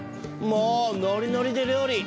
もうノリノリで料理。